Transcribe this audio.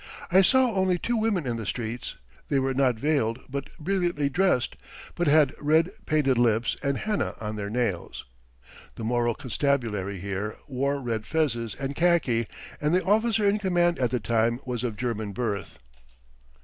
I saw only two women in the streets; they were not veiled nor brilliantly dressed, but had red painted lips and henna on their nails. The Moro constabulary here wore red fezzes and khaki, and the officer in command at the time was of German birth.